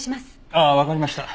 ああわかりました。